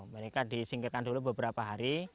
mereka disingkirkan dulu beberapa hari